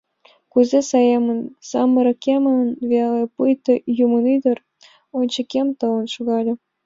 Кузе саемын, самырыкемын веле, пуйто юмынӱдыр ончыкем толын шогале.